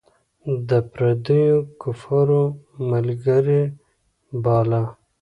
د پردیو کفارو ملګری باله.